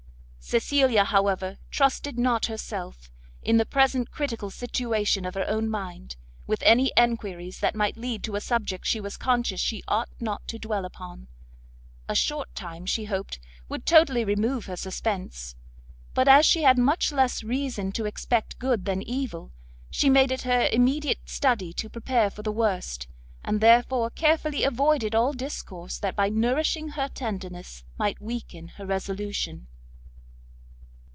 Cecilia, however, trusted not herself, in the present critical situation of her own mind, with any enquiries that might lead to a subject she was conscious she ought not to dwell upon; a short time, she hoped, would totally remove her suspence; but as she had much less reason to expect good than evil, she made it her immediate study to prepare for the worst, and therefore carefully avoided all discourse that by nourishing her tenderness, might weaken her resolution.